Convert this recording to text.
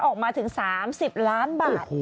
ออกมาถึง๓๐ล้านบาท